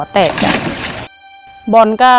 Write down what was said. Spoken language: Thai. คุณฝนจากชายบรรยาย